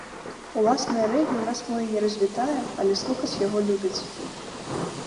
Уласнае рэгі ў нас мо і не развітае, але слухаць яго любяць.